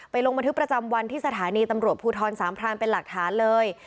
ลงบันทึกประจำวันที่สถานีตำรวจภูทรสามพรานเป็นหลักฐานเลย